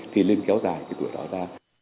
thì lên kéo dài cái tuổi đó ra